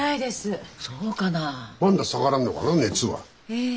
ええ。